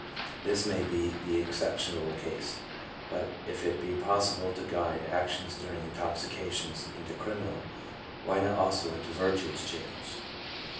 This may be the exceptional case ; but if it is possible to guide actions during intoxication into criminal, why not also into virtuous channels?